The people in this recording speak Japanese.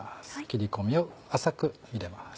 切り込みを浅く入れます。